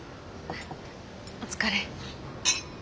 お疲れ。